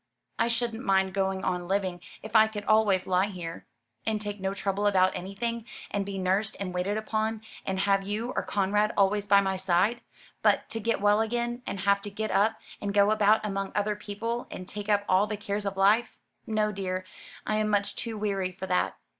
I shouldn't mind going on living if I could always lie here, and take no trouble about anything, and be nursed and waited upon, and have you or Conrad always by my side but to get well again, and to have to get up, and go about among other people, and take up all the cares of life no dear, I am much too weary for that.